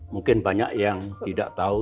mungkin banyak yang tidak tahu